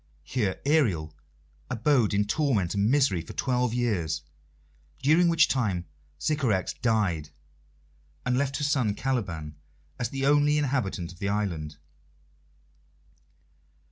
Here Ariel abode in torment and misery for twelve years, during which time Sycorax died, and left her son Caliban as the only inhabitant of the island.